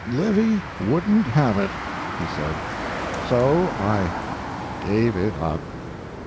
"Livy wouldn't have it," he said, "so I gave it up."